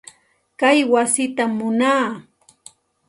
Kay wasitam munaa.